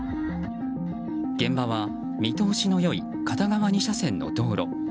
現場は見通しの良い片側２車線の道路。